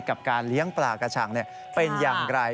กับการเลี้ยงปลากระชังเป็นอย่างไร